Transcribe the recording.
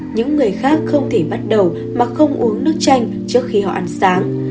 những người khác không thể bắt đầu mà không uống nước chanh trước khi họ ăn sáng